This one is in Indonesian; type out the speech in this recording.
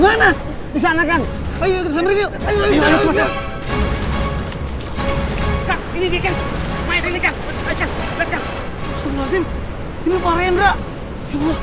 kamu tidak akan bisa menguasai jimat ini